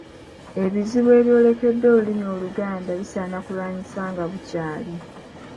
Ebizibu ebyolekedde Olulimi Oluganda bisaana kulwanyisa nga bukyali.